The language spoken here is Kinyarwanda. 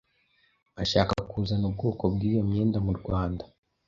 Ashaka kuzana ubwoko bw’iyo myenda mu Rwanda